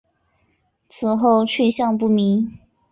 此后去向不明。